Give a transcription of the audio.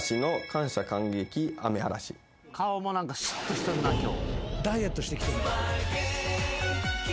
顔も何かシュッとしとるな今日。